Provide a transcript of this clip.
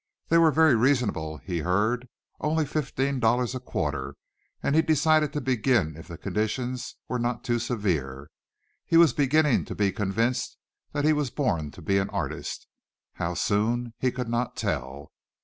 They were very reasonable, he heard, only fifteen dollars a quarter, and he decided to begin if the conditions were not too severe. He was beginning to be convinced that he was born to be an artist how soon he could not tell.